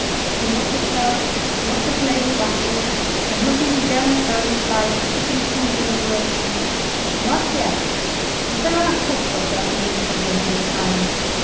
He looked at her, looked at Lady Russell, and looking again at her, replied, as if in cool deliberation— "Not yet. But there are hopes of her being forgiven in time.